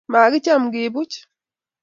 Magicham, kiipuch